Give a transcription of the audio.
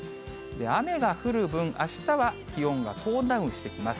雨が降る分、あしたは気温がトーンダウンしてきます。